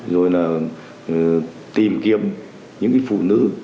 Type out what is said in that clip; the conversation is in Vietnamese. rồi tìm kiếm những phụ nữ